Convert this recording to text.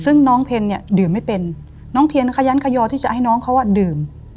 ซึ่งน้องเพนเนี่ยดื่มไม่เป็นน้องเทียนขยันขยอที่จะให้น้องเขาดื่ม